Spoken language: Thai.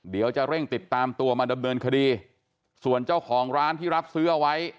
เดี๋ยวจะเร่งติดตามตัวมาดำเนินคดีส่วนเจ้าของร้านที่รับซื้อเอาไว้